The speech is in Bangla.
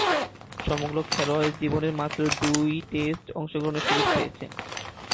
সমগ্র খেলোয়াড়ী জীবনে মাত্র দুই টেস্টে অংশগ্রহণের সুযোগ পেয়েছেন।